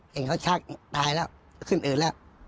เห็นเขาชักตายแล้วก็ขึ้นอืดแล้ว